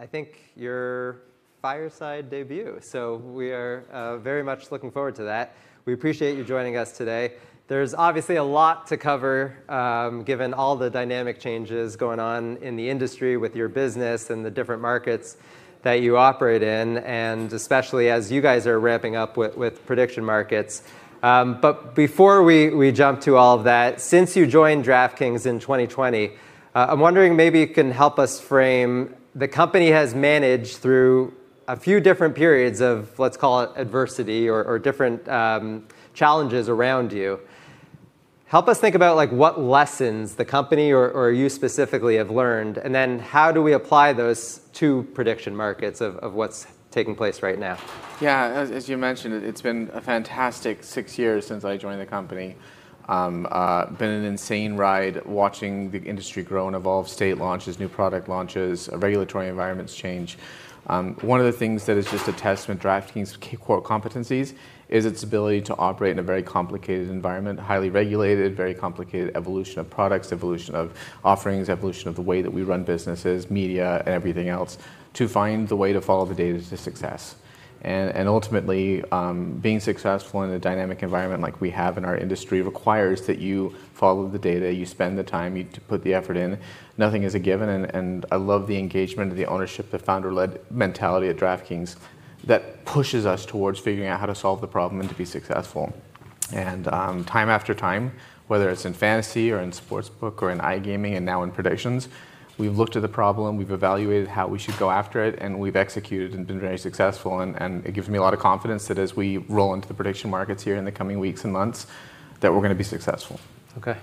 I think your fireside debut. We are very much looking forward to that. We appreciate you joining us today. There's obviously a lot to cover, given all the dynamic changes going on in the industry with your business and the different markets that you operate in, and especially as you guys are ramping up with prediction markets. Before we jump to all of that, since you joined DraftKings in 2020, I'm wondering maybe you can help us frame the company has managed through a few different periods of, let's call it adversity or different challenges around you. Help us think about like what lessons the company or you specifically have learned, and then how do we apply those to prediction markets of what's taking place right now? Yeah. As you mentioned, it's been a fantastic six years since I joined the company. Been an insane ride watching the industry grow and evolve, state launches, new product launches, regulatory environments change. One of the things that is just a testament to DraftKings' core competencies is its ability to operate in a very complicated environment, highly regulated, very complicated evolution of products, evolution of offerings, evolution of the way that we run businesses, media, and everything else to find the way to follow the data to success. Ultimately, being successful in a dynamic environment like we have in our industry requires that you follow the data, you spend the time, you put the effort in. Nothing is a given. I love the engagement, the ownership, the founder-led mentality at DraftKings that pushes us towards figuring out how to solve the problem and to be successful. Time after time, whether it's in fantasy or in Sportsbook or in iGaming, and now in Predictions, we've looked at the problem, we've evaluated how we should go after it, and we've executed and been very successful. It gives me a lot of confidence that as we roll into the prediction markets here in the coming weeks and months, that we're going to be successful. Okay.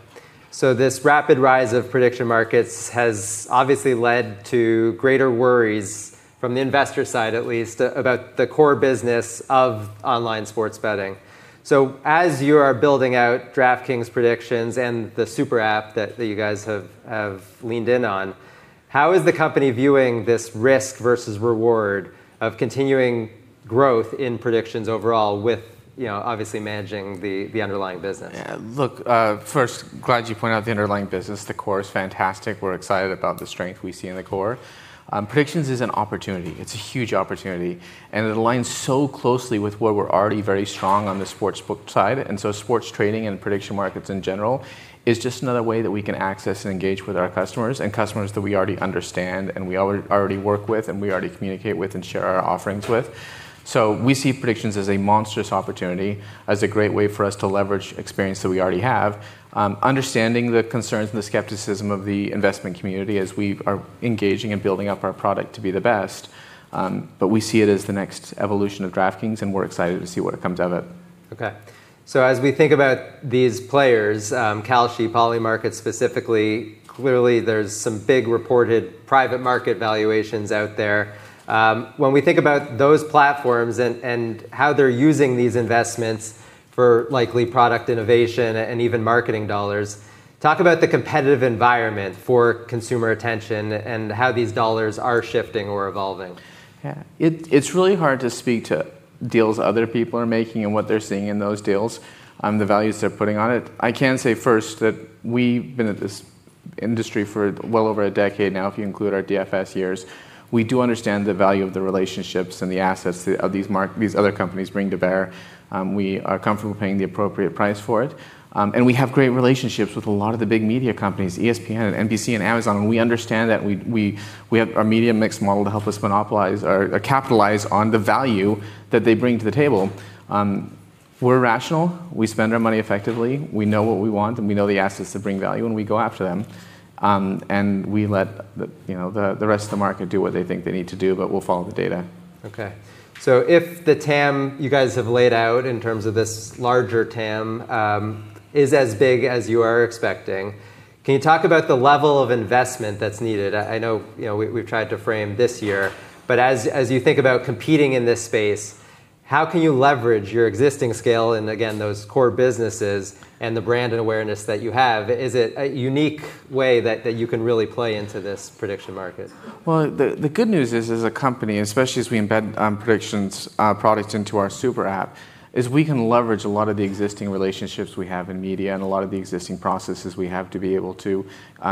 This rapid rise of prediction markets has obviously led to greater worries from the investor side, at least about the core business of online sports betting. As you are building out DraftKings Predictions and the super app that you guys have leaned in on, how is the company viewing this risk versus reward of continuing growth in predictions overall with, you know, obviously managing the underlying business? Yeah. Look, first, glad you pointed out the underlying business. The core is fantastic. We're excited about the strength we see in the core. Predictions is an opportunity. It's a huge opportunity, it aligns so closely with where we're already very strong on the Sportsbook side. Sports trading and prediction markets in general is just another way that we can access and engage with our customers and customers that we already understand, and we already work with, and we already communicate with and share our offerings with. We see Predictions as a monstrous opportunity, as a great way for us to leverage experience that we already have, understanding the concerns and the skepticism of the investment community as we are engaging and building up our product to be the best. We see it as the next evolution of DraftKings, and we're excited to see what comes of it. Okay. As we think about these players, Kalshi, Polymarket specifically, clearly, there's some big reported private market valuations out there. When we think about those platforms and how they're using these investments for likely product innovation and even marketing dollars, talk about the competitive environment for consumer attention and how these dollars are shifting or evolving? It's really hard to speak to deals other people are making and what they're seeing in those deals, the values they're putting on it. I can say first that we've been at this industry for well over a decade now, if you include our DFS years. We do understand the value of the relationships and the assets of these other companies bring to bear. We are comfortable paying the appropriate price for it. We have great relationships with a lot of the big media companies, ESPN, NBC, and Amazon, and we understand that. We have our media mix model to help us monopolize or capitalize on the value that they bring to the table. We're rational. We spend our money effectively. We know what we want, and we know the assets that bring value, and we go after them. We let the, you know, the rest of the market do what they think they need to do, but we'll follow the data. Okay. If the TAM you guys have laid out in terms of this larger TAM is as big as you are expecting, can you talk about the level of investment that's needed? I know, you know, we've tried to frame this year, but as you think about competing in this space, how can you leverage your existing scale and again, those core businesses and the brand and awareness that you have? Is it a unique way that you can really play into this prediction market? Well, the good news is, as a company, especially as we embed, Predictions products into our super app, is we can leverage a lot of the existing relationships we have in media and a lot of the existing processes we have to be able to,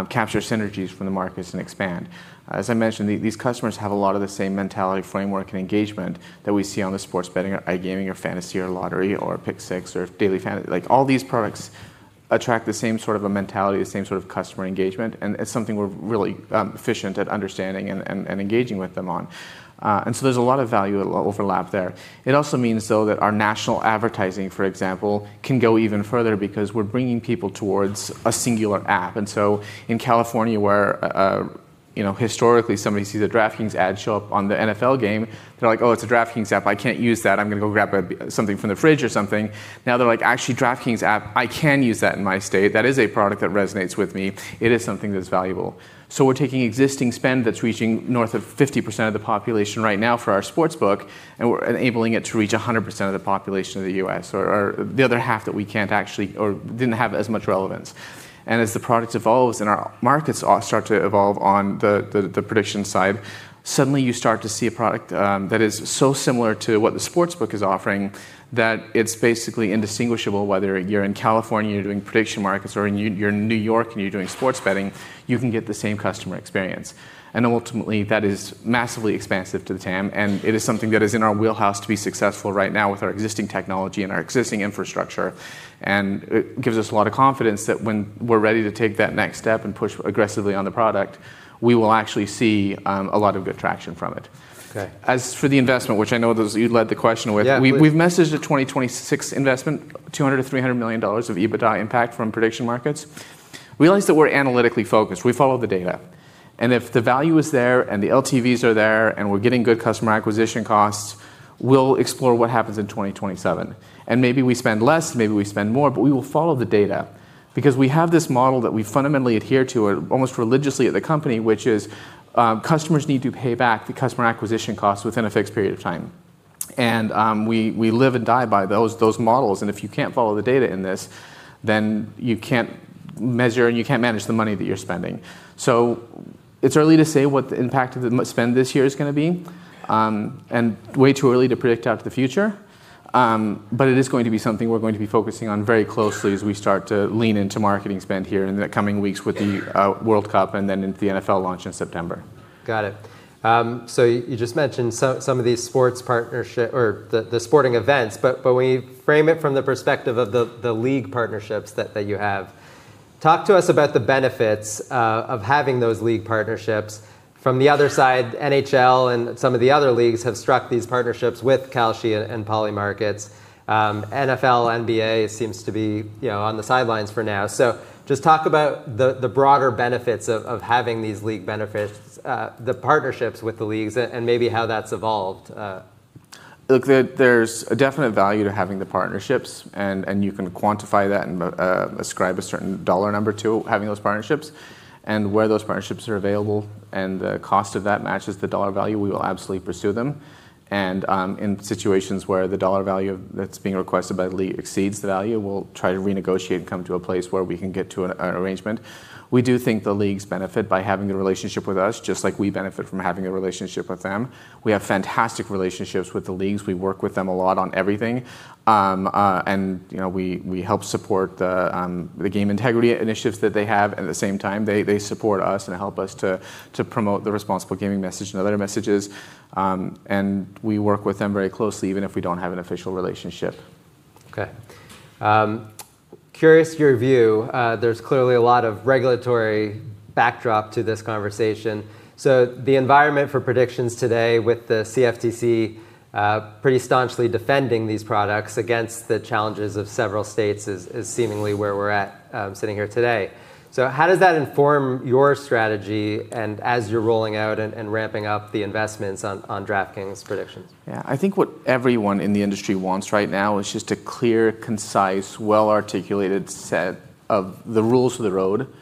capture synergies from the markets and expand. As I mentioned, these customers have a lot of the same mentality, framework, and engagement that we see on the sports betting or iGaming or fantasy or lottery or Pick6. Like, all these products attract the same sort of a mentality, the same sort of customer engagement, and it's something we're really efficient at understanding and engaging with them on. There's a lot of value overlap there. It also means, though, that our national advertising, for example, can go even further because we're bringing people towards a singular app. In California, where, you know, historically, somebody sees a DraftKings ad show up on the NFL game, they're like, "Oh, it's a DraftKings app. I can't use that. I'm going to go grab something from the fridge or something." Now they're like, "Actually, DraftKings app, I can use that in my state. That is a product that resonates with me. It is something that's valuable." We're taking existing spend that's reaching north of 50% of the population right now for our Sportsbook, and we're enabling it to reach 100% of the population of the U.S. or the other half that we can't actually or didn't have as much relevance. As the product evolves and our markets start to evolve on the prediction side, suddenly you start to see a product that is so similar to what the Sportsbook is offering that it's basically indistinguishable whether you're in California, you're doing prediction markets, or you're in New York and you're doing sports betting, you can get the same customer experience. Ultimately, that is massively expansive to the TAM, and it is something that is in our wheelhouse to be successful right now with our existing technology and our existing infrastructure. It gives us a lot of confidence that when we're ready to take that next step and push aggressively on the product, we will actually see a lot of good traction from it. Okay. As for the investment, which I know you led the question with. Yeah. We've messaged a 2026 investment, $200 million-$300 million of EBITDA impact from prediction markets. We realize that we're analytically focused. We follow the data, and if the value is there, and the LTVs are there, and we're getting good customer acquisition costs, we'll explore what happens in 2027. Maybe we spend less, maybe we spend more, but we will follow the data because we have this model that we fundamentally adhere to almost religiously at the company, which is, customers need to pay back the customer acquisition costs within a fixed period of time. We live and die by those models, and if you can't follow the data in this, then you can't measure and you can't manage the money that you're spending. It's early to say what the impact of the spend this year is going to be, and way too early to predict out to the future. It is going to be something we're going to be focusing on very closely as we start to lean into marketing spend here in the coming weeks with the World Cup, and then into the NFL launch in September. Got it. You just mentioned some of these sports partnership or the sporting events, but when you frame it from the perspective of the league partnerships that you have, talk to us about the benefits of having those league partnerships. From the other side, NHL and some of the other leagues have struck these partnerships with Kalshi and Polymarket. NFL, NBA seems to be, you know, on the sidelines for now. Just talk about the broader benefits of having these league benefits, the partnerships with the leagues and maybe how that's evolved. Look, there's a definite value to having the partnerships, and you can quantify that and ascribe a certain dollar number to having those partnerships. Where those partnerships are available and the cost of that matches the dollar value, we will absolutely pursue them. In situations where the dollar value that's being requested by the league exceeds the value, we'll try to renegotiate and come to a place where we can get to an arrangement. We do think the leagues benefit by having a relationship with us, just like we benefit from having a relationship with them. We have fantastic relationships with the leagues. We work with them a lot on everything. You know, we help support the game integrity initiatives that they have. At the same time, they support us and help us to promote the responsible gaming message and the other messages. We work with them very closely, even if we don't have an official relationship. Okay. Curious your view, there's clearly a lot of regulatory backdrop to this conversation. The environment for predictions today with the CFTC pretty staunchly defending these products against the challenges of several states is seemingly where we're at sitting here today. How does that inform your strategy and as you're rolling out and ramping up the investments on DraftKings Predictions? Yeah. I think what everyone in the industry wants right now is just a clear, concise, well-articulated set of the rules of the road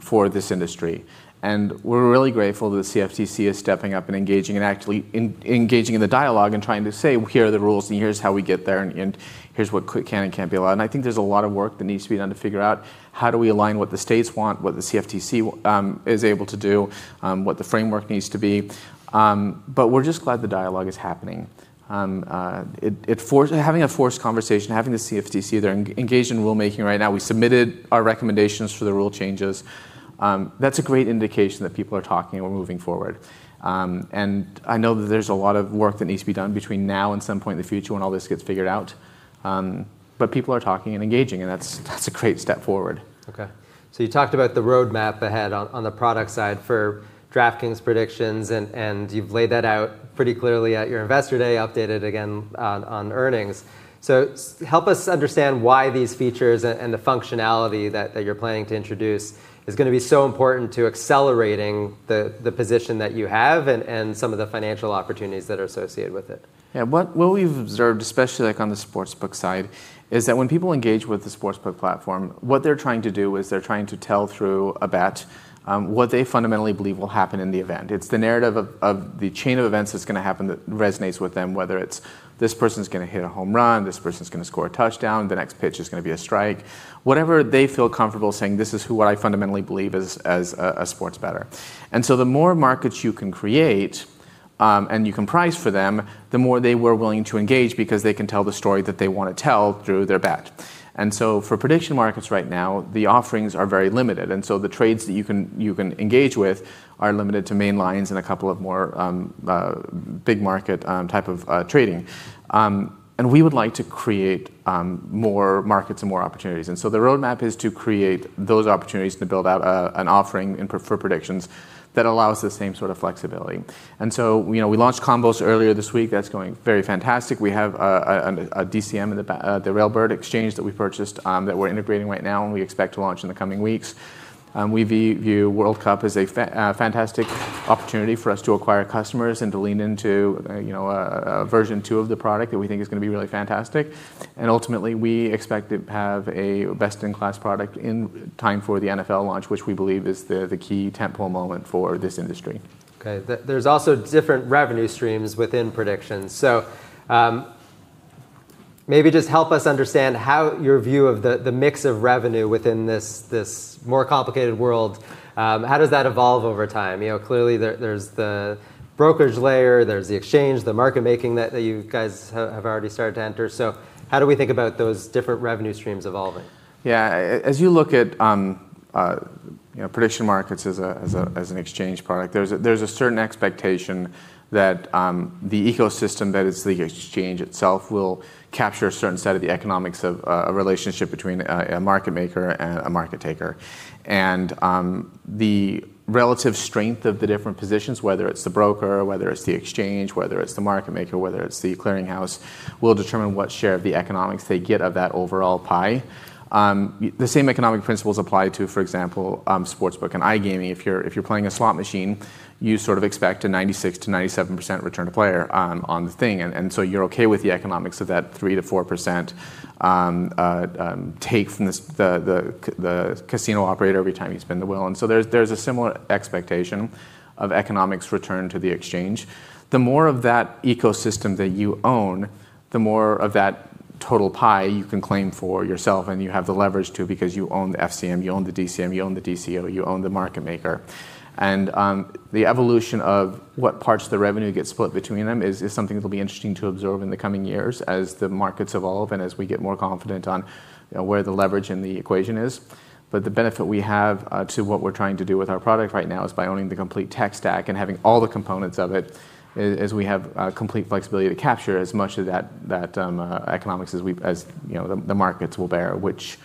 for this industry. We're really grateful that the CFTC is stepping up and engaging, and actually engaging in the dialogue and trying to say, "Here are the rules, and here's how we get there, and here's what can and can't be allowed." I think there's a lot of work that needs to be done to figure out, how do we align what the states want, what the CFTC is able to do, what the framework needs to be? We're just glad the dialogue is happening. Having a forced conversation, having the CFTC, they're engaged in rulemaking right now. We submitted our recommendations for the rule changes. That's a great indication that people are talking and we're moving forward. I know that there's a lot of work that needs to be done between now and some point in the future when all this gets figured out. People are talking and engaging, and that's a great step forward. You talked about the roadmap ahead on the product side for DraftKings Predictions and you've laid that out pretty clearly at your Investor Day, updated again on earnings. Help us understand why these features and the functionality that you're planning to introduce is going to be so important to accelerating the position that you have and some of the financial opportunities that are associated with it. Yeah. What we've observed, especially, like, on the Sportsbook side, is that when people engage with the Sportsbook platform, what they're trying to do is they're trying to tell through a bet what they fundamentally believe will happen in the event. It's the narrative of the chain of events that's going to happen that resonates with them, whether it's this person's going to hit a home run, this person's going to score a touchdown, the next pitch is going to be a strike. Whatever they feel comfortable saying, "This is who I fundamentally believe as a sports bettor." The more markets you can create, and you can price for them, the more they were willing to engage because they can tell the story that they want to tell through their bet. For prediction markets right now, the offerings are very limited, so the trades that you can engage with are limited to main lines and a couple of more big market type of trading. We would like to create more markets and more opportunities. The roadmap is to create those opportunities to build out an offering for Predictions that allows the same sort of flexibility. You know, we launched Combos earlier this week. That's going very fantastic. We have a DCM in the Railbird Exchange that we purchased that we're integrating right now, and we expect to launch in the coming weeks. We view World Cup as a fantastic opportunity for us to acquire customers and to lean into, you know, a version two of the product that we think is going to be really fantastic. Ultimately, we expect to have a best-in-class product in time for the NFL launch, which we believe is the key tentpole moment for this industry. Okay. There's also different revenue streams within predictions. Maybe just help us understand how your view of the mix of revenue within this more complicated world, how does that evolve over time? You know, clearly there's the brokerage layer, there's the exchange, the market making that you guys have already started to enter. How do we think about those different revenue streams evolving? Yeah. As you look at, you know, prediction markets as an exchange product. There's a certain expectation that the ecosystem that is the exchange itself will capture a certain set of the economics of a relationship between a market maker and a market taker. The relative strength of the different positions, whether it's the broker, whether it's the exchange, whether it's the market maker, whether it's the clearing house, will determine what share of the economics they get of that overall pie. The same economic principles apply to, for example, Sportsbook and iGaming. If you're playing a slot machine, you sort of expect a 96%-97% return to player on the thing, and so you're okay with the economics of that 3%-4% take from the casino operator every time you spin the wheel. There's a similar expectation of economics return to the exchange. The more of that ecosystem that you own, the more of that total pie you can claim for yourself, and you have the leverage to because you own the FCM, you own the DCM, you own the DCO, you own the market maker. The evolution of what parts of the revenue gets split between them is something that'll be interesting to observe in the coming years as the markets evolve and as we get more confident on, you know, where the leverage in the equation is. The benefit we have to what we're trying to do with our product right now is by owning the complete tech stack and having all the components of it, as we have complete flexibility to capture as much of that economics as, you know, the markets will bear, which,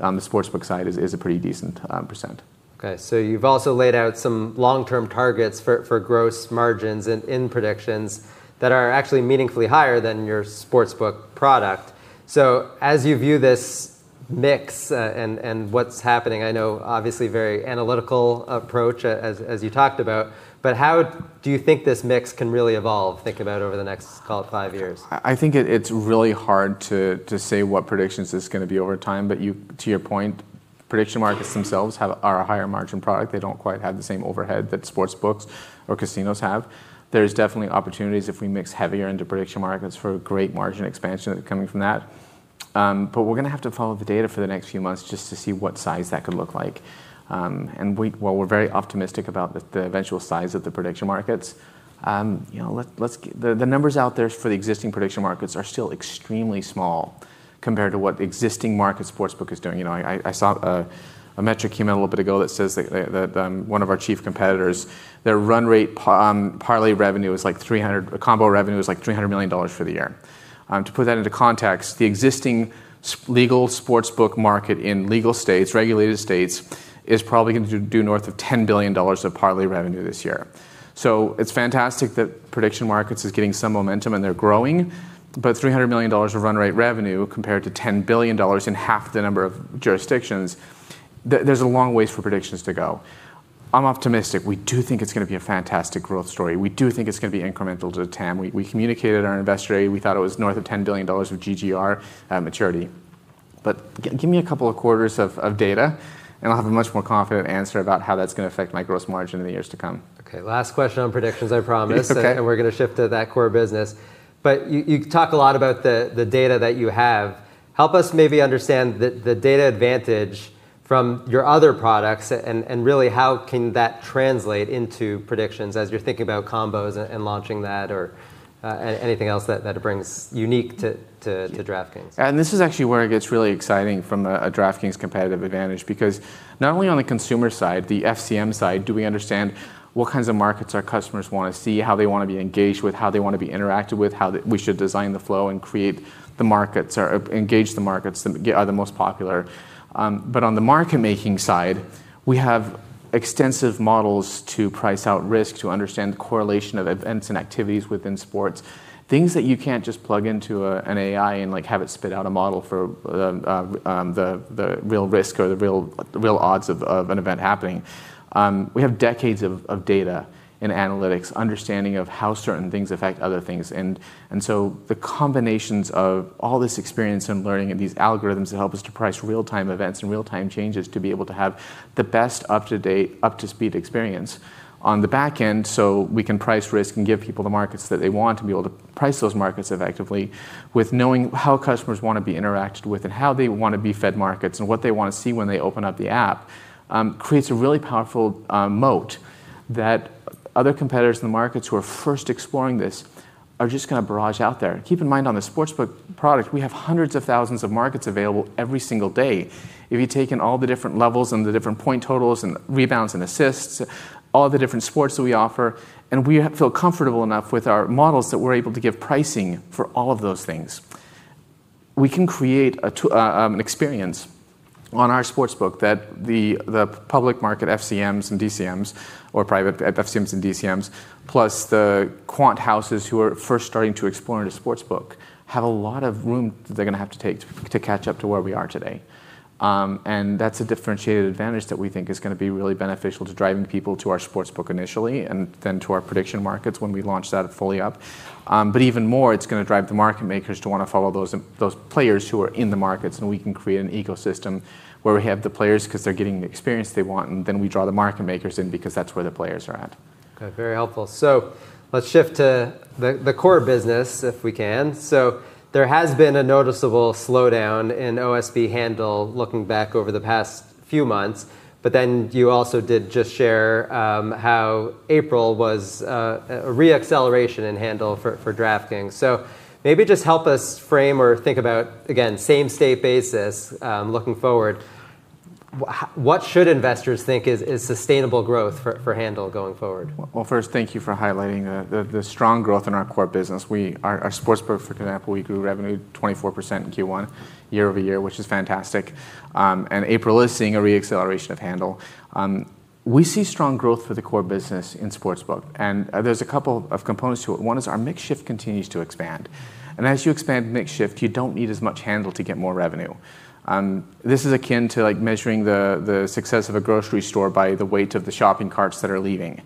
on the Sportsbook side is a pretty decent percent. Okay. You've also laid out some long-term targets for gross margins in Predictions that are actually meaningfully higher than your Sportsbook product. As you view this mix, and what's happening, I know obviously very analytical approach, as you talked about, but how do you think this mix can really evolve, think about over the next, call it, five years? I think it's really hard to say what Predictions is going to be over time. To your point, prediction markets themselves are a higher margin product. They don't quite have the same overhead that Sportsbooks or casinos have. There's definitely opportunities if we mix heavier into prediction markets for a great margin expansion coming from that. We're going to have to follow the data for the next few months just to see what size that could look like. While we're very optimistic about the eventual size of the prediction markets, you know, the numbers out there for the existing prediction markets are still extremely small compared to what the existing market Sportsbook is doing. You know, I saw a metric came out a little bit ago that says that one of our chief competitors, their run rate quarterly revenue is like $300 milllion, combo revenue is like $300 million for the year. To put that into context, the existing legal Sportsbook market in legal states, regulated states, is probably going to do north of $10 billion of parlay revenue this year. It's fantastic that prediction markets is getting some momentum and they're growing, $300 million of run rate revenue compared to $10 billion in half the number of jurisdictions, there's a long ways for predictions to go. I'm optimistic. We do think it's going to be a fantastic growth story. We do think it's going to be incremental to TAM. We communicated our investor day. We thought it was north of $10 billion of GGR at maturity. Give me a couple of quarters of data, and I'll have a much more confident answer about how that's going to affect my gross margin in the years to come. Okay, last question on Predictions, I promise. Okay. We're going to shift to that core business. You talk a lot about the data that you have. Help us maybe understand the data advantage from your other products and really how can that translate into Predictions as you're thinking about Combos and launching that or anything else that brings unique to DraftKings. This is actually where it gets really exciting from a DraftKings competitive advantage because not only on the consumer side, the FCM side, do we understand what kinds of markets our customers want to see, how they want to be engaged with, how they want to be interacted with, how we should design the flow and create the markets or engage the markets that are the most popular. On the market making side, we have extensive models to price out risk, to understand the correlation of events and activities within sports, things that you can't just plug into an AI and, like, have it spit out a model for the real risk or the real odds of an event happening. We have decades of data and analytics, understanding of how certain things affect other things. The combinations of all this experience and learning and these algorithms that help us to price real-time events and real-time changes to be able to have the best up-to-date, up-to-speed experience on the back end so we can price risk and give people the markets that they want and be able to price those markets effectively with knowing how customers want to be interacted with and how they want to be fed markets and what they want to see when they open up the app, creates a really powerful moat that other competitors in the markets who are first exploring this are just going to barrage out there. Keep in mind on the Sportsbook product, we have hundreds of thousands of markets available every single day. If you've taken all the different levels and the different point totals and rebounds and assists, all the different sports that we offer, and we feel comfortable enough with our models that we're able to give pricing for all of those things. We can create an experience on our sportsbook that the public market FCMs and DCMs or private FCMs and DCMs, plus the quant houses who are first starting to explore into Sportsbook, have a lot of room that they're going to have to take to catch up to where we are today. That's a differentiated advantage that we think is going to be really beneficial to driving people to our Sportsbook initially and then to our prediction markets when we launch that fully up. Even more, it's going to drive the market makers to want to follow those players who are in the markets, and we can create an ecosystem where we have the players because they're getting the experience they want, and then we draw the market makers in because that's where the players are at. Okay, very helpful. Let's shift to the core business if we can. There has been a noticeable slowdown in OSB handle looking back over the past few months, but then you also did just share how April was a re-acceleration in handle for DraftKings. Maybe just help us frame or think about, again, same state basis, looking forward, what should investors think is sustainable growth for handle going forward? Well first, thank you for highlighting the strong growth in our core business. Our Sportsbook, for example, we grew revenue 24% in Q1 year-over-year, which is fantastic. April is seeing a re-acceleration of handle. We see strong growth for the core business in Sportsbook, there's a couple of components to it. One is our mix shift continues to expand. As you expand mix shift, you don't need as much handle to get more revenue. This is akin to, like, measuring the success of a grocery store by the weight of the shopping carts that are leaving.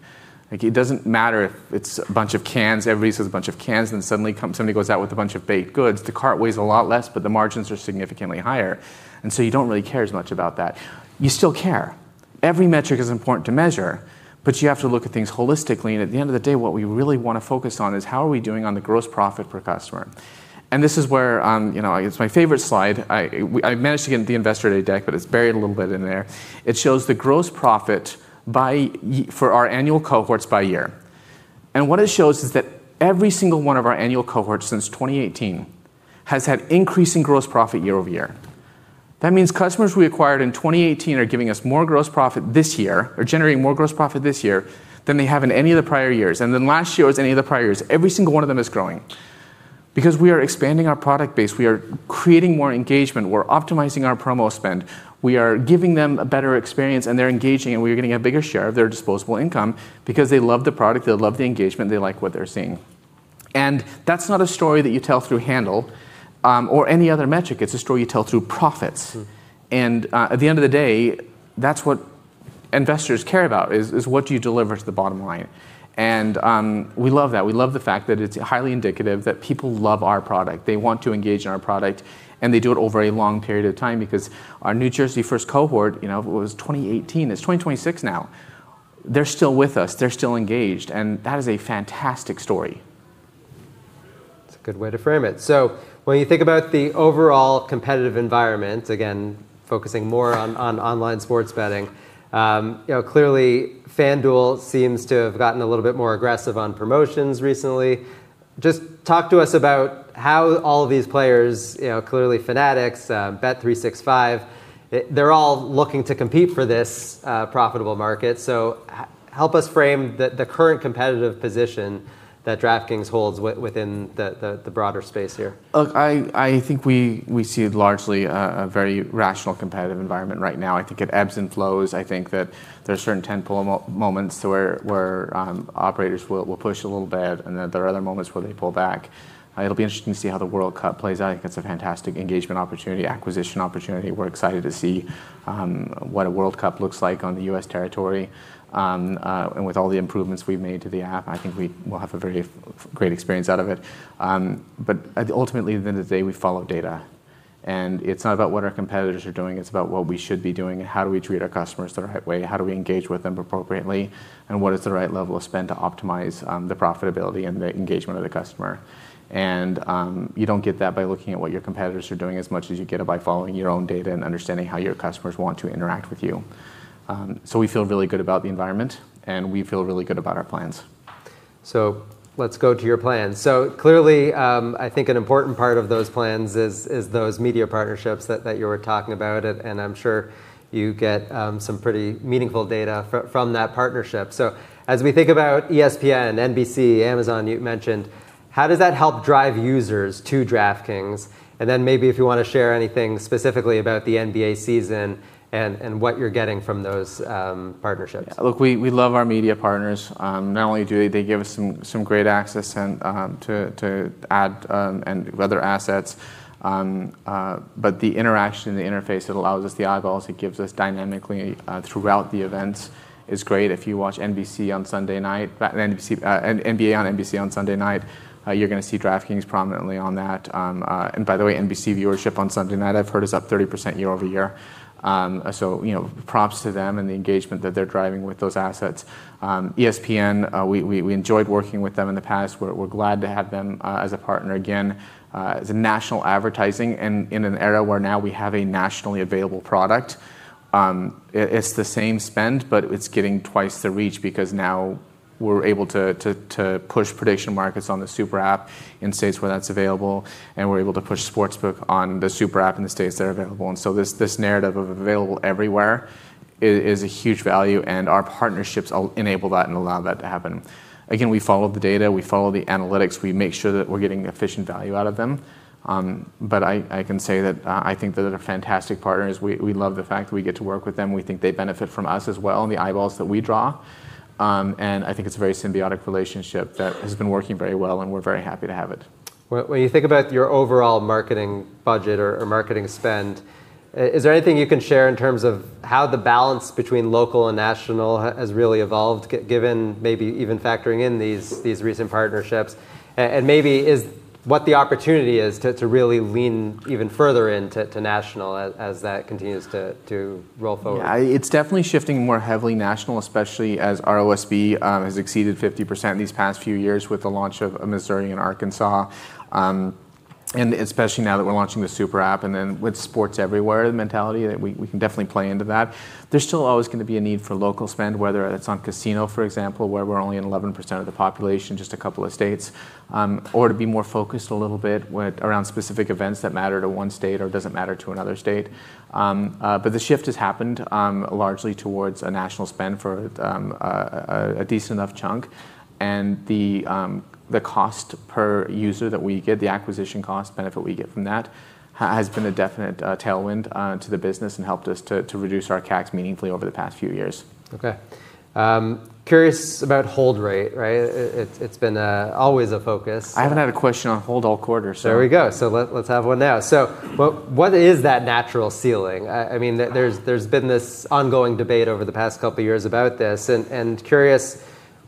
Like, it doesn't matter if it's a bunch of cans, every aisle's a bunch of cans, then suddenly somebody goes out with a bunch of baked goods. The cart weighs a lot less, but the margins are significantly higher, so you don't really care as much about that. You still care. Every metric is important to measure, but you have to look at things holistically, and at the end of the day, what we really want to focus on is how are we doing on the gross profit per customer? This is where, you know, it's my favorite slide. I managed to get it in the investor today deck, but it's buried a little bit in there. It shows the gross profit for our annual cohorts by year. What it shows is that every single one of our annual cohorts since 2018 has had increasing gross profit year-over-year. That means customers we acquired in 2018 are giving us more gross profit this year, are generating more gross profit this year than they have in any of the prior years, and then last year was any of the prior years. Every single one of them is growing. Because we are expanding our product base, we are creating more engagement, we're optimizing our promo spend, we are giving them a better experience, and they're engaging, and we are getting a bigger share of their disposable income because they love the product, they love the engagement, they like what they're seeing. That's not a story that you tell through handle or any other metric. It's a story you tell through profits. At the end of the day, that's what investors care about, is what you deliver to the bottom line, we love that. We love the fact that it's highly indicative that people love our product. They want to engage in our product, and they do it over a long period of time because our New Jersey first cohort, it was 2018. It's 2026 now. They're still with us. They're still engaged, and that is a fantastic story. That's a good way to frame it. When you think about the overall competitive environment, again, focusing more on online sports betting, you know, clearly FanDuel seems to have gotten a little bit more aggressive on promotions recently. Just talk to us about how all of these players, you know, clearly Fanatics, Bet365, they're all looking to compete for this profitable market. Help us frame the current competitive position that DraftKings holds within the broader space here. Look, I think we see it largely a very rational competitive environment right now. I think it ebbs and flows. I think that there's certain tentpole moments to where operators will push a little bit, and then there are other moments where they pull back. It'll be interesting to see how the World Cup plays out. I think that's a fantastic engagement opportunity, acquisition opportunity. We're excited to see what a World Cup looks like on the U.S. territory. With all the improvements we've made to the app, I think we will have a very great experience out of it. At, ultimately, at the end of the day, we follow data, and it's not about what our competitors are doing, it's about what we should be doing and how do we treat our customers the right way, how do we engage with them appropriately, and what is the right level of spend to optimize the profitability and the engagement of the customer. You don't get that by looking at what your competitors are doing as much as you get it by following your own data and understanding how your customers want to interact with you. We feel really good about the environment, and we feel really good about our plans. Let's go to your plans. Clearly, I think an important part of those plans is those media partnerships that you were talking about it, and I'm sure you get some pretty meaningful data from that partnership. As we think about ESPN, NBC, Amazon, you mentioned, how does that help drive users to DraftKings? Then maybe if you want to share anything specifically about the NBA season and what you're getting from those partnerships. Look, we love our media partners. Not only do they give us some great access and to add and other assets, but the interaction, the interface, it allows us the eyeballs, it gives us dynamically throughout the events is great. If you watch NBC on Sunday night, NBA and NBC on Sunday night, you're going to see DraftKings prominently on that. By the way, NBC viewership on Sunday night I've heard is up 30% year-over-year. You know, props to them and the engagement that they're driving with those assets. ESPN, we enjoyed working with them in the past. We're glad to have them as a partner. Again, it's a national advertising. In an era where now we have a nationally available product, it's the same spend, it's getting twice the reach because now we're able to push DraftKings Predictions on the super app in states where that's available, we're able to push Sportsbook on the super app in the states that are available. This narrative of available everywhere is a huge value, our partnerships will enable that and allow that to happen. Again, we follow the data, we follow the analytics, we make sure that we're getting efficient value out of them. I can say that I think that they're fantastic partners. We love the fact that we get to work with them. We think they benefit from us as well, and the eyeballs that we draw. I think it's a very symbiotic relationship that has been working very well, and we're very happy to have it. When you think about your overall marketing budget or marketing spend, is there anything you can share in terms of how the balance between local and national has really evolved given maybe even factoring in these recent partnerships? Maybe what the opportunity is to really lean even further into national as that continues to roll forward? Yeah. It's definitely shifting more heavily national, especially as ROSB has exceeded 50% these past few years with the launch of Missouri and Arkansas, and especially now that we're launching the super app, and then with sports everywhere, the mentality that we can definitely play into that. There's still always going to be a need for local spend, whether it's on casino, for example, where we're only at 11% of the population, just a couple of states, or to be more focused a little bit around specific events that matter to one state or doesn't matter to another state. The shift has happened, largely towards a national spend for a decent enough chunk and the cost per user that we get, the acquisition cost benefit we get from that has been a definite tailwind to the business and helped us to reduce our CAC meaningfully over the past few years. Okay. Curious about hold rate, right? It's been always a focus. I haven't had a question on hold all quarter. There we go. Let's have one now. What is that natural ceiling? I mean, there's been this ongoing debate over the past couple of years about this and curious,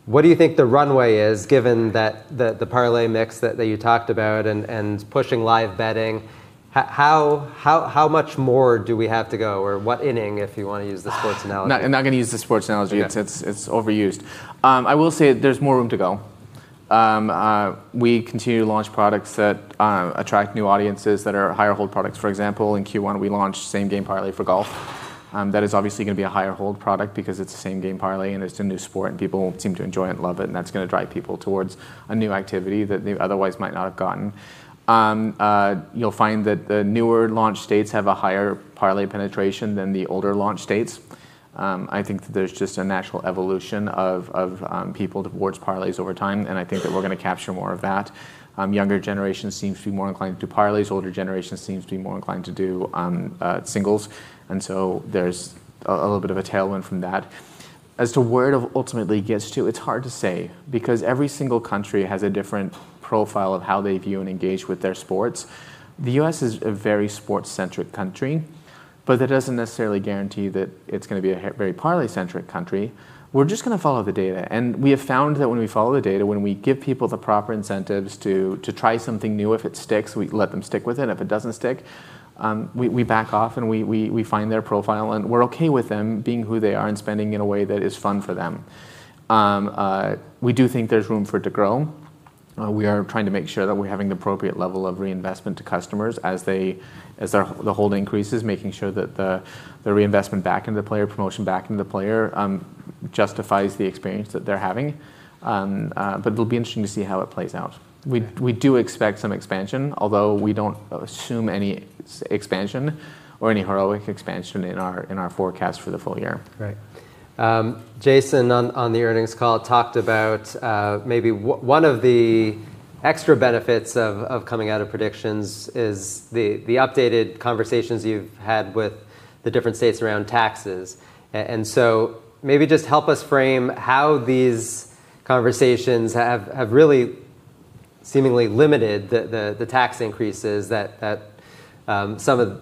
what do you think the runway is given that the parlay mix that you talked about and pushing live betting, how much more do we have to go? Or what inning, if you want to use the sports analogy? Not going to use the sports analogy. Yeah. It's overused. I will say there's more room to go. We continue to launch products that attract new audiences that are higher hold products. For example, in Q1 we launched same game parlay for golf. That is obviously going to be a higher hold product because it's the same game parlay and it's a new sport and people seem to enjoy it and love it, and that's going to drive people towards a new activity that they otherwise might not have gotten. You'll find that the newer launch states have a higher parlay penetration than the older launch states. I think that there's just a natural evolution of people towards parlays over time, and I think that we're going to capture more of that. Younger generations seem to be more inclined to parlays. Older generations seem to be more inclined to do singles. There's a little bit of a tailwind from that. As to where it ultimately gets to, it's hard to say because every single country has a different profile of how they view and engage with their sports. The U.S. is a very sports-centric country, but that doesn't necessarily guarantee that it's going to be a very parlay-centric country. We're just going to follow the data, and we have found that when we follow the data, when we give people the proper incentives to try something new, if it sticks, we let them stick with it. If it doesn't stick, we back off and we find their profile and we're okay with them being who they are and spending in a way that is fun for them. We do think there's room for it to grow. We are trying to make sure that we're having the appropriate level of reinvestment to customers as their, the hold increases, making sure that the reinvestment back into player promotion, back into player justifies the experience that they're having. It will be interesting to see how it plays out. We do expect some expansion, although we don't assume any expansion or any heroic expansion in our, in our forecast for the full year. Right. Jason, on the earnings call, talked about one of the extra benefits of coming out of Predictions is the updated conversations you've had with the different states around taxes. Maybe just help us frame how these conversations have really seemingly limited the tax increases that, you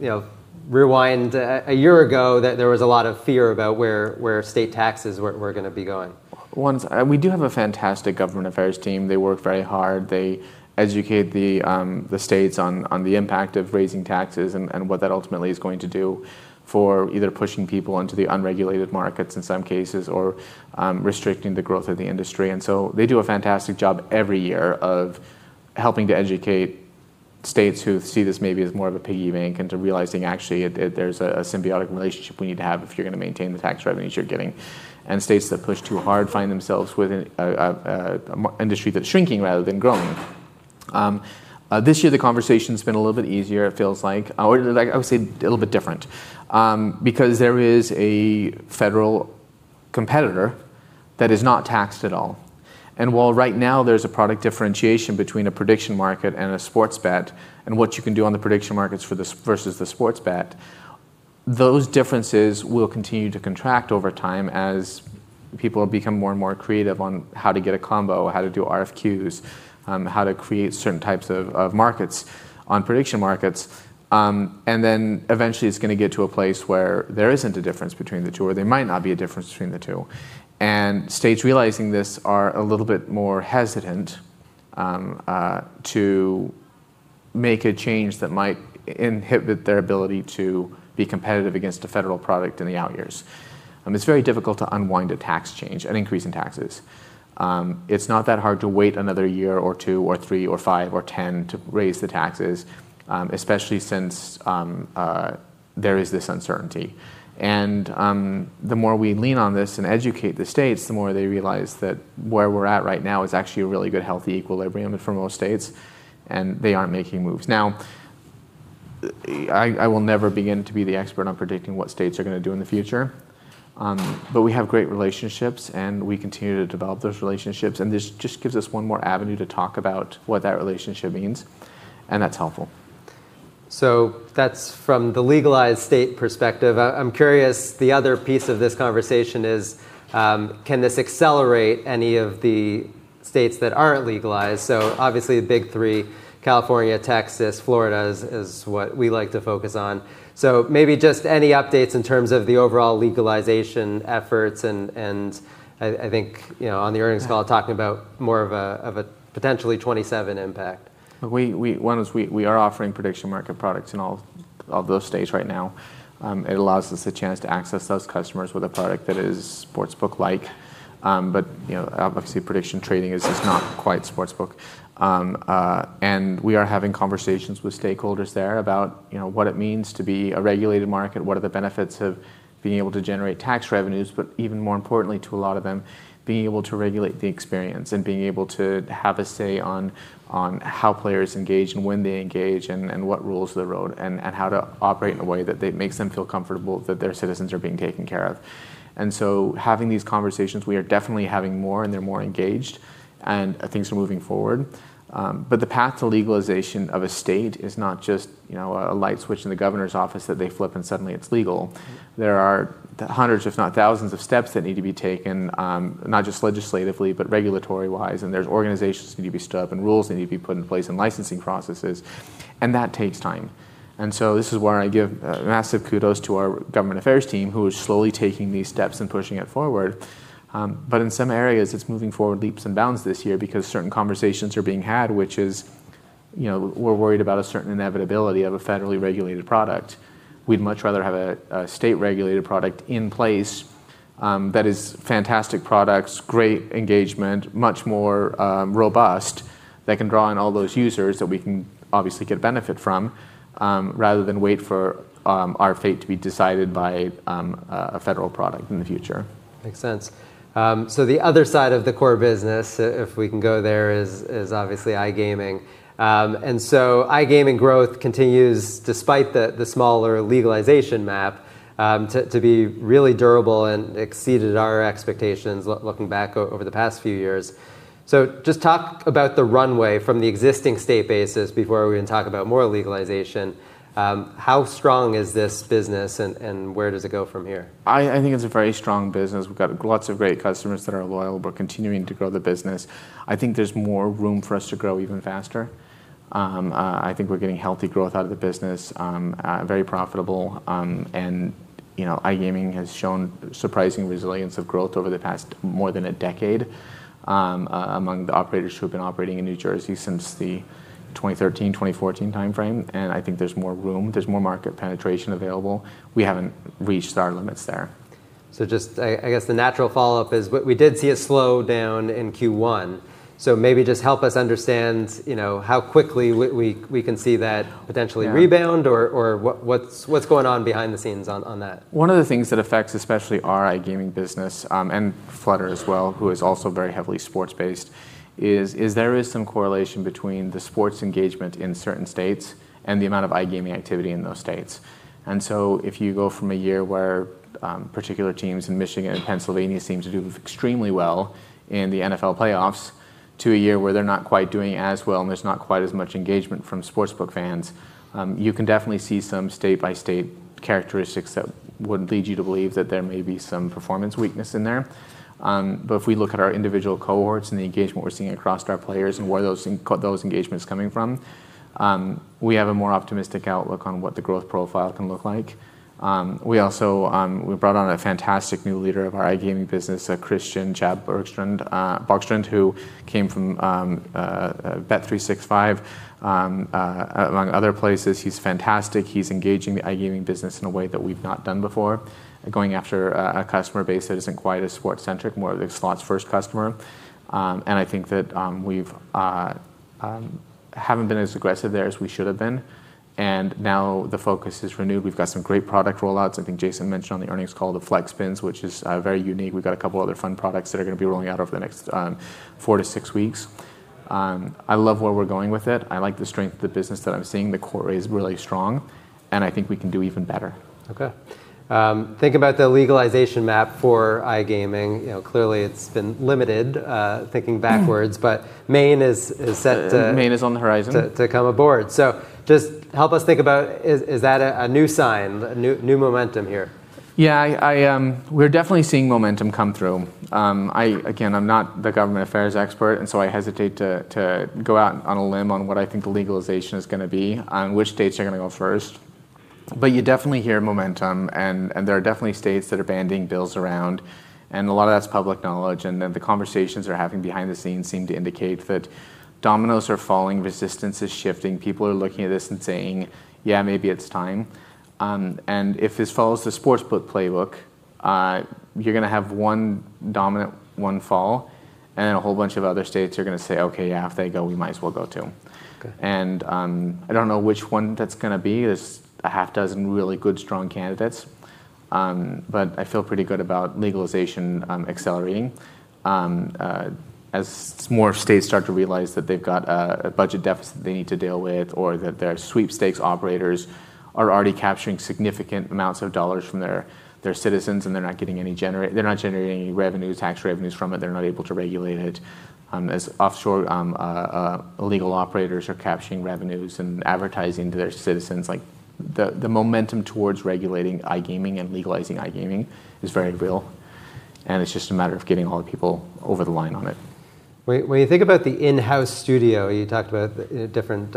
know Rewind a year ago, that there was a lot of fear about where state taxes were going to be going. One, we do have a fantastic government affairs team. They work very hard. They educate the states on the impact of raising taxes and what that ultimately is going to do for either pushing people into the unregulated markets in some cases or restricting the growth of the industry. They do a fantastic job every year of helping to educate states who see this maybe as more of a piggy bank into realizing actually there's a symbiotic relationship we need to have if you're going to maintain the tax revenues you're getting, and states that push too hard find themselves with an industry that's shrinking rather than growing. This year the conversation's been a little bit easier, it feels like. I would say a little bit different because there is a federal competitor that is not taxed at all. While right now there's a product differentiation between a prediction market and a sports bet and what you can do on the prediction markets for this, versus the sports bet, those differences will continue to contract over time as people become more and more creative on how to get a Combos, how to do RFQs, how to create certain types of markets on prediction markets. Eventually it's going to get to a place where there isn't a difference between the two, or there might not be a difference between the two. States realizing this are a little bit more hesitant to make a change that might inhibit their ability to be competitive against a federal product in the out years. It's very difficult to unwind a tax change, an increase in taxes. It's not that hard to wait another year or two or three or five or 10 to raise the taxes, especially since there is this uncertainty. The more we lean on this and educate the states, the more they realize that where we're at right now is actually a really good, healthy equilibrium for most states, and they aren't making moves. I will never begin to be the expert on predicting what states are going to do in the future. We have great relationships and we continue to develop those relationships, and this just gives us one more avenue to talk about what that relationship means, and that's helpful. That's from the legalized state perspective. I'm curious, the other piece of this conversation is, can this accelerate any of the states that aren't legalized? Obviously the big three, California, Texas, Florida is what we like to focus on. Maybe just any updates in terms of the overall legalization efforts, and I think, you know, on the earnings call, talking about more of a potentially 2027 impact. We are offering prediction market products in all of those states right now, it allows us a chance to access those customers with a product that is Sportsbook-like. You know, obviously, prediction trading is not quite Sportsbook. We are having conversations with stakeholders there about, you know, what it means to be a regulated market, what are the benefits of being able to generate tax revenues, but even more importantly to a lot of them, being able to regulate the experience and being able to have a say on how players engage and when they engage and what rules of the road and how to operate in a way that they makes them feel comfortable that their citizens are being taken care of. Having these conversations, we are definitely having more, and they're more engaged, and things are moving forward. The path to legalization of a state is not just, you know, a light switch in the governor's office that they flip and suddenly it's legal. There are hundreds, if not thousands, of steps that need to be taken, not just legislatively, but regulatory-wise, and there's organizations that need to be stood up, and rules that need to be put in place, and licensing processes, and that takes time. This is where I give a massive kudos to our government affairs team, who is slowly taking these steps and pushing it forward. In some areas, it's moving forward leaps and bounds this year because certain conversations are being had, which is, you know, we're worried about a certain inevitability of a federally regulated product. We'd much rather have a state-regulated product in place that is fantastic products, great engagement, much more robust, that can draw on all those users that we can obviously get benefit from, rather than wait for our fate to be decided by a federal product in the future. Makes sense. The other side of the core business, if we can go there, is obviously iGaming. iGaming growth continues despite the smaller legalization map to be really durable and exceeded our expectations looking back over the past few years. Just talk about the runway from the existing state bases before we can talk about more legalization. How strong is this business and where does it go from here? I think it's a very strong business. We've got lots of great customers that are loyal. We're continuing to grow the business. I think there's more room for us to grow even faster. I think we're getting healthy growth out of the business, very profitable. You know, iGaming has shown surprising resilience of growth over the past more than a decade, among the operators who have been operating in New Jersey since the 2013, 2014 timeframe, and I think there's more room. There's more market penetration available. We haven't reached our limits there. Just I guess the natural follow-up is we did see a slowdown in Q1. Maybe just help us understand, you know, how quickly we can see that potentially rebound or what's going on behind the scenes on that? One of the things that affects especially our iGaming business, and Flutter as well, who is also very heavily sports-based, is there is some correlation between the sports engagement in certain states and the amount of iGaming activity in those states. If you go from a year where particular teams in Michigan and Pennsylvania seem to do extremely well in the NFL playoffs to a year where they're not quite doing as well, and there's not quite as much engagement from Sportsbook fans, you can definitely see some state-by-state characteristics that would lead you to believe that there may be some performance weakness in there. If we look at our individual cohorts and the engagement we're seeing across our players and where those engagement's coming from, we have a more optimistic outlook on what the growth profile can look like. We also brought on a fantastic new leader of our iGaming business, Christian Bogstrand, who came from Bet365, among other places. He's fantastic. He's engaging the iGaming business in a way that we've not done before, going after a customer base that isn't quite as sports-centric, more of a slots-first customer. I think that we've haven't been as aggressive there as we should have been, now the focus is renewed. We've got some great product rollouts. I think Jason mentioned on the earnings call the Flex Spins, which is very unique. We've got a couple other fun products that are going to be rolling out over the next four to six weeks. I love where we're going with it. I like the strength of the business that I'm seeing. The core is really strong, and I think we can do even better. Okay. Think about the legalization map for iGaming. You know, clearly it's been limited, thinking backwards, but Maine is set to. Maine is on the horizon. To come aboard. Just help us think about is that a new sign, a new momentum here? Yeah, I, we're definitely seeing momentum come through. I, again, I'm not the government affairs expert, so I hesitate to go out on a limb on what I think the legalization is going to be, on which states are going to go first. You definitely hear momentum, and there are definitely states that are banding bills around. A lot of that's public knowledge, the conversations we're having behind the scenes seem to indicate that dominoes are falling, resistance is shifting. People are looking at this and saying, "Yeah, maybe it's time." If this follows the Sportsbook playbook, you're going to have one dominant, one fall, and then a whole bunch of other states are going to say, "Okay, yeah, if they go, we might as well go, too. Okay. I don't know which one that's going to be. There's a half dozen really good, strong candidates. I feel pretty good about legalization accelerating as more states start to realize that they've got a budget deficit they need to deal with or that their sweepstakes operators are already capturing significant amounts of dollars from their citizens, and they're not generating any revenue, tax revenues from it. They're not able to regulate it. As offshore illegal operators are capturing revenues and advertising to their citizens. The momentum towards regulating iGaming and legalizing iGaming is very real, and it's just a matter of getting all the people over the line on it. When you think about the in-house studio, you talked about the different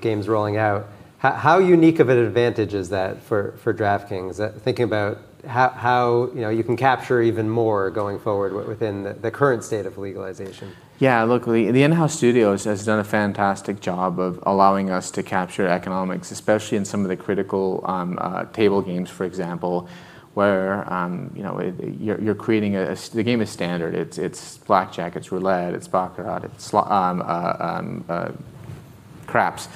games rolling out, how unique of an advantage is that for DraftKings? Thinking about how, you know, you can capture even more going forward within the current state of legalization. Yeah, look, the in-house studios has done a fantastic job of allowing us to capture economics, especially in some of the critical table games, for example, where, you know, you're creating the game is standard. It's blackjack, it's roulette, it's baccarat, it's craps.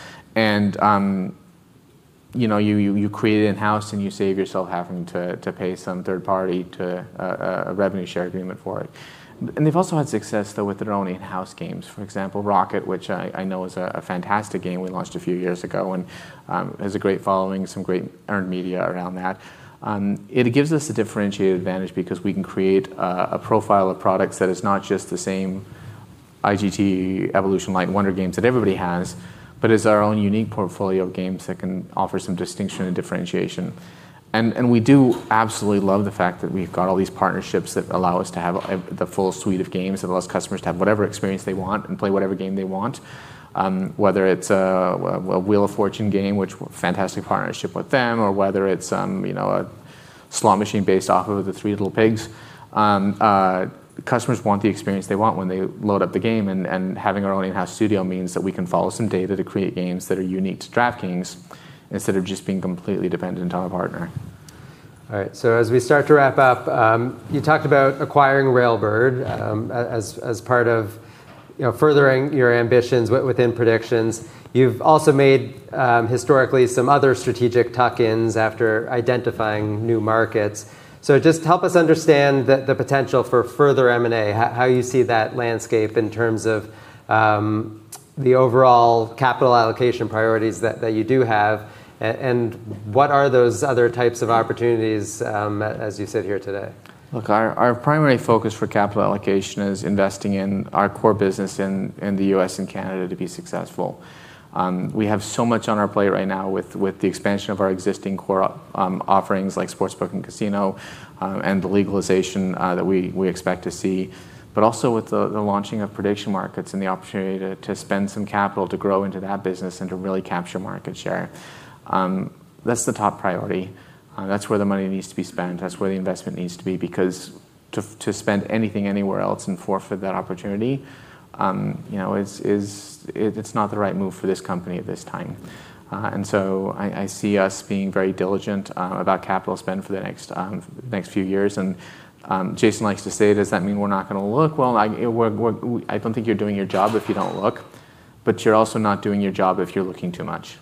You know, you create it in-house and you save yourself having to pay some third party to a revenue share agreement for it. They've also had success though with their own in-house games. For example, Rocket, which I know is a fantastic game we launched a few years ago and has a great following, some great earned media around that. It gives us a differentiated advantage because we can create a profile of products that is not just the same IGT, Evolution, Light & Wonder games that everybody has, but is our own unique portfolio of games that can offer some distinction and differentiation. And we do absolutely love the fact that we've got all these partnerships that allow us to have the full suite of games, that allows customers to have whatever experience they want and play whatever game they want. Whether it's a Wheel of Fortune game, which fantastic partnership with them, or whether it's, you know, a slot machine based off of the Three Little Pigs. Customers want the experience they want when they load up the game and having our own in-house studio means that we can follow some data to create games that are unique to DraftKings instead of just being completely dependent on a partner. All right. As we start to wrap up, you talked about acquiring Railbird as part of, you know, furthering your ambitions within predictions. You've also made historically some other strategic tuck-ins after identifying new markets. just help us understand the potential for further M&A, how you see that landscape in terms of the overall capital allocation priorities that you do have, and what are those other types of opportunities as you sit here today? Look, our primary focus for capital allocation is investing in our core business in the U.S. and Canada to be successful. We have so much on our plate right now with the expansion of our existing core offerings like Sportsbook and Casino and the legalization that we expect to see, but also with the launching of prediction markets and the opportunity to spend some capital to grow into that business and to really capture market share. That's the top priority. That's where the money needs to be spent. That's where the investment needs to be because to spend anything anywhere else and forfeit that opportunity, you know, is, it's not the right move for this company at this time. I see us being very diligent about capital spend for the next few years and Jason likes to say, "Does that mean we're not going to look?" Well, I We're I don't think you're doing your job if you don't look, but you're also not doing your job if you're looking too much.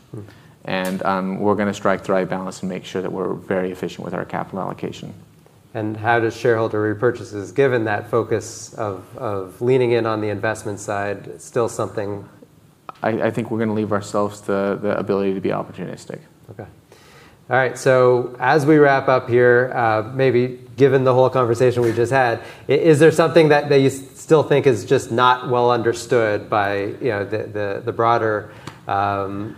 We're going to strike the right balance and make sure that we're very efficient with our capital allocation. How does shareholder repurchases, given that focus of leaning in on the investment side. I think we're going to leave ourselves the ability to be opportunistic. Okay. All right. As we wrap up here, maybe given the whole conversation we just had, is there something that you still think is just not well understood by, you know, the broader, you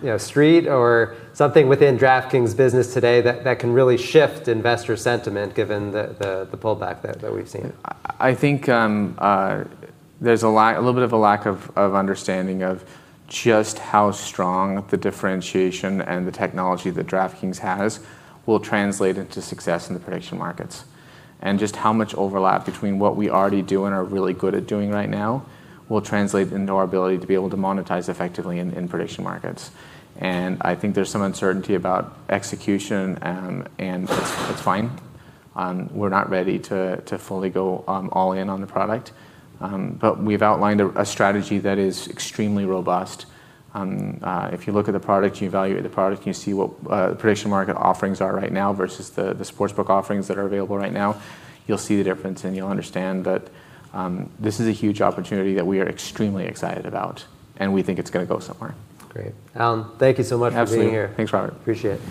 know, street or something within DraftKings business today that can really shift investor sentiment given the pullback that we've seen? I think there's a little bit of a lack of understanding of just how strong the differentiation and the technology that DraftKings has will translate into success in the prediction markets, and just how much overlap between what we already do and are really good at doing right now will translate into our ability to be able to monetize effectively in prediction markets. I think there's some uncertainty about execution, and that's fine. We're not ready to fully go all in on the product. We've outlined a strategy that is extremely robust. If you look at the product, you evaluate the product and you see what prediction market offerings are right now versus the Sportsbook offerings that are available right now, you'll see the difference and you'll understand that this is a huge opportunity that we are extremely excited about, and we think it's going to go somewhere. Great. Alan, thank you so much. Absolutely For being here. Thanks, Robert. Appreciate it.